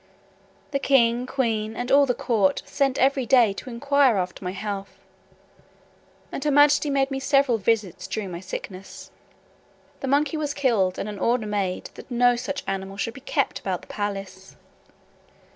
The king, queen, and all the court, sent every day to inquire after my health; and her majesty made me several visits during my sickness. The monkey was killed, and an order made, that no such animal should be kept about the palace.